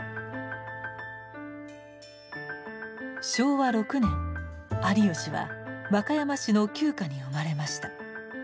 昭和６年有吉は和歌山市の旧家に生まれました。